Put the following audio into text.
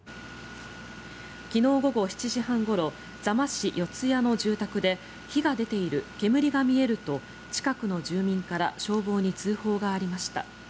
昨日午後７時半ごろ座間市四ツ谷の住宅で火が出ている、煙が見えると近くの住民から消防に通報がありました。